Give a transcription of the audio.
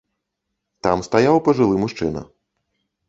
Там стаяў пажылы мужчына.